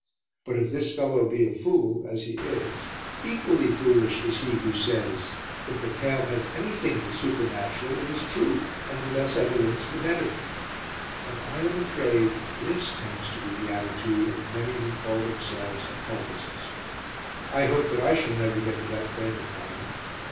But if this fellow be a fool as he is equally foolish is he who says, "If the tale has anything of the supernatural it is true, and the less evidence the better;" and I am afraid this tends to be the attitude of many who call themselves occultists. I hope that I shall never get to that frame of mind.